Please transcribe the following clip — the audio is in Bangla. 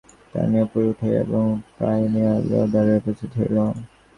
অপর তীরে পৌঁছিয়া কাষ্ঠখণ্ডটি টানিয়া উপরে উঠাইল এবং প্রণয়িনীর গৃহদ্বারে উপস্থিত হইল।